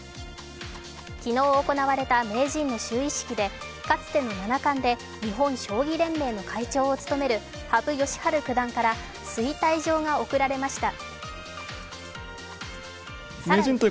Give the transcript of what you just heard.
昨日行われた名人の就位式でかつての七冠で、日本将棋連盟の会長を務める羽生善治九段から推戴状が贈られました。